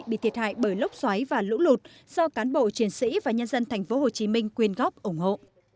bị thiệt hại bởi lốc xoáy và lũ lụt do cán bộ chiến sĩ và nhân dân tp hcm quyên góp ủng hộ